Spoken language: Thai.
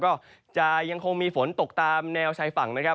ก็จะยังคงมีฝนตกตามแนวชายฝั่งนะครับ